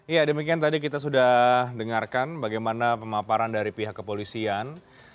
ya demikian tadi kita sudah dengarkan bagaimana pemaparan dari pihak kepolisian